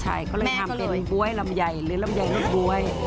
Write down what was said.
ใช่เขาเลยทำเป็นบ๊วยลำไยหรือลำไยลูกบ๊วย